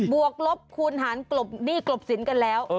วกลบคูณหารกลบหนี้กลบสินกันแล้ว